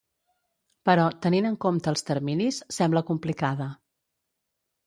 Però, tenint en compte els terminis, sembla complicada.